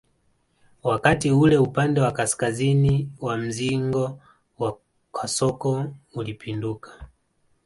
Wakati ule upande wa kaskazini wa mzingo wa kasoko ulipinduka